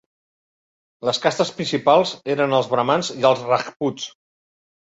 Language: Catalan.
Les castes principals eren els bramans i els rajputs.